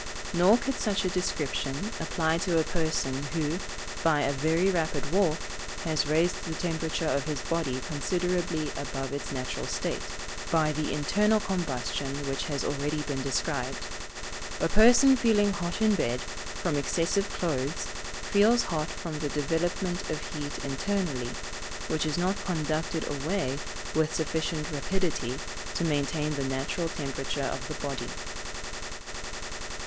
Nor could such a description apply to a person who, by a very rapid walk, has raised the temperature of his body considerably above its natural state, by the internal combustion which has already been described. A person feeling hot in bed, from excessive clothes, feels hot from the development of heat internally, which is not conducted away with sufficient rapidity to maintain the natural temperature of the body. 135.